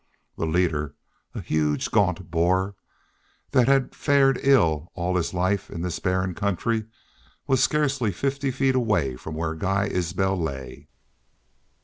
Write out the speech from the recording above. The leader, a huge, gaunt boar, that had fared ill all his life in this barren country, was scarcely fifty feet away from where Guy Isbel lay.